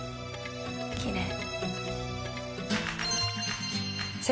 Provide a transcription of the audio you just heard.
きれい。